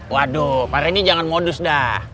waduh pak rendy jangan modus dah